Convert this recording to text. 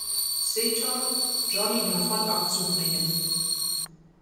Seton, Johnny davon abzubringen.